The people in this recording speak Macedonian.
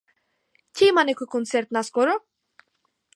Ќе има некој концерт наскоро?